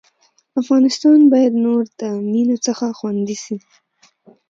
افغانستان بايد نور د مينو څخه خوندي سي